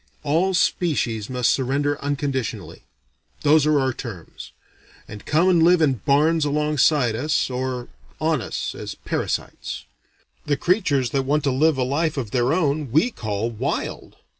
All species must surrender unconditionally those are our terms and come and live in barns alongside us; or on us, as parasites. The creatures that want to live a life of their own, we call wild.